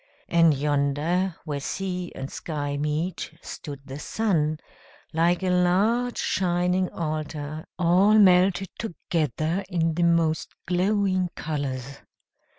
And yonder, where sea and sky meet, stood the sun, like a large shining altar, all melted together in the most glowing colors.